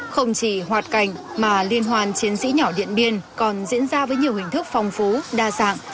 không chỉ hoạt cảnh mà liên hoàn chiến sĩ nhỏ điện biên còn diễn ra với nhiều hình thức phong phú đa dạng